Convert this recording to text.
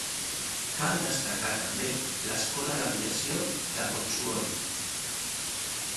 Cal destacar també l'escola d'aviació de Pozzuoli.